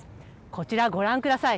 こちらご覧ください。